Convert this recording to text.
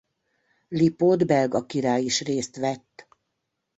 Lipót belga király is részt vett.